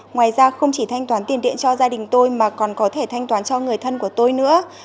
ngoài ra không chỉ thanh toán tiền điện cho gia đình tôi mà còn có thể thanh toán cho người thân của tôi nữa